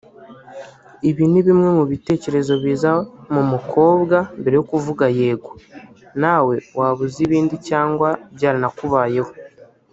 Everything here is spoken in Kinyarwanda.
Ibi ni bimwe mu bitekerezo biza mu mukobwa mbere yo kuvuga “yego”; nawe waba uzi ibindi cyangwa byaranakubayeho